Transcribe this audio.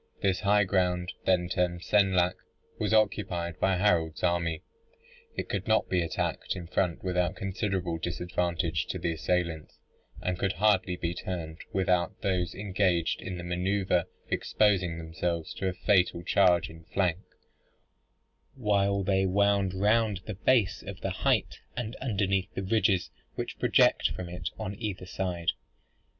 This high ground, then termed Senlac, was occupied by Harold's army. It could not be attacked in front without considerable disadvantage to the assailants, and could hardly be turned without those engaged in the manoeuvre exposing themselves to a fatal charge in flank, while they wound round the base of the height, and underneath the ridges which project from it on either side.